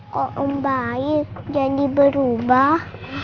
kok om baik jadi berubah